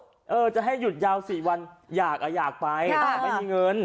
เออจะให้หยุดยาว๔วันอยากอ่ะอยากไปแต่ไม่มีเงิน